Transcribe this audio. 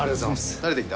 慣れてきた？